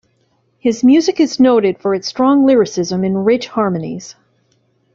His music is noted for its strong lyricism and rich harmonies.